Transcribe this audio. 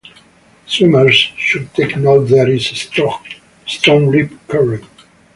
Swimmers should take note there is a strong rip current.